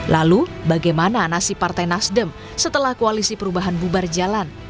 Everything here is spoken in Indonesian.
lalu bagaimana nasib partai nasdem setelah koalisi perubahan bubar jalan